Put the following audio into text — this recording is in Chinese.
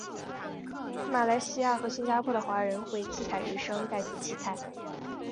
马来西亚和新加坡的华人会以七彩鱼生代替七菜。